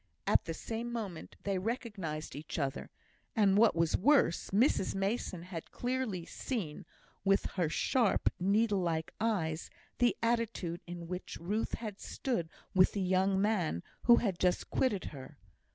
At the same moment they recognised each other, and, what was worse, Mrs Mason had clearly seen, with her sharp, needle like eyes, the attitude in which Ruth had stood with the young man who had just quitted her.